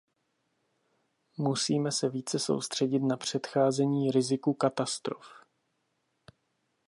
Musíme se více soustředit na předcházení riziku katastrof.